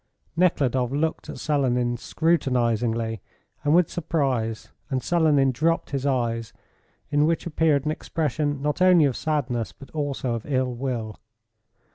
Nekhludoff looked at Selenin scrutinisingly and with surprise, and Selenin dropped his eyes, in which appeared an expression not only of sadness but also of ill will.